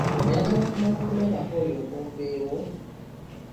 Oyagala kumala kulabako olyoke oveewo?